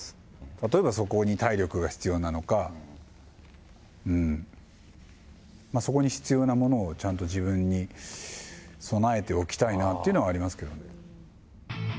例えばそこに体力が必要なのか、うん、そこに必要なものをちゃんと自分に備えておきたいなっていうのはありますけど。